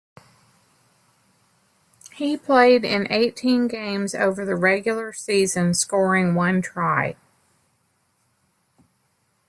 He played in eighteen games over the regular season, scoring one try.